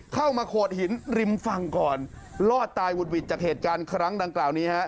เข้ามาโขดหินริมฝั่งก่อนรอดตายหุดหวิดจากเหตุการณ์ครั้งดังกล่าวนี้ฮะ